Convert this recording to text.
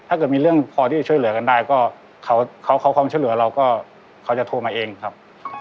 ถ้าเกิดมีเรื่องพอที่จะช่วยเหลือกันได้ก็เขาขอความช่วยเหลือเราก็เขาจะโทรมาเองครับ